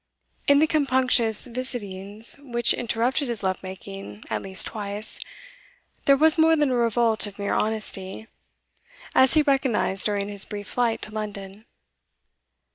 In the compunctious visitings which interrupted his love making at least twice, there was more than a revolt of mere honesty, as he recognised during his brief flight to London.